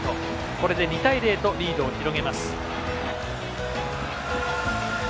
これで２対０とリードを広げます。